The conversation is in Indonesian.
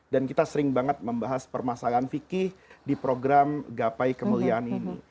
dan kita sering banget membahas permasalahan fikih di program gapai kemuliaan ini